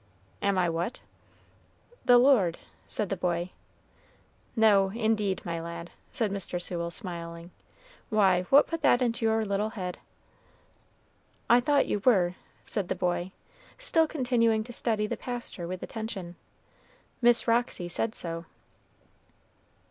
"Am I what?" "The Lord," said the boy. "No, indeed, my lad," said Mr. Sewell, smiling. "Why, what put that into your little head?" "I thought you were," said the boy, still continuing to study the pastor with attention. "Miss Roxy said so."